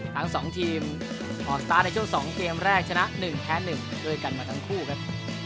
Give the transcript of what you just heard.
ทั้ง๒ทีมออกสตาร์ทในช่วง๒เกมแรกชนะ๑แพ้๑ด้วยกันมาทั้งคู่ครับ